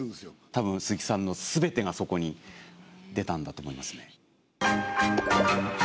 たぶん鈴木さんのすべてがそこに出たんだと思いますね。